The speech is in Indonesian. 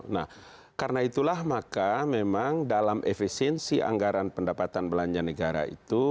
nah karena itulah maka memang dalam efisiensi anggaran pendapatan belanja negara itu